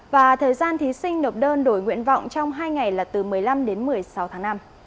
và thời gian thí sinh nộp đơn đổi nguyện vọng trong hai ngày là từ một mươi năm đến một mươi sáu tháng năm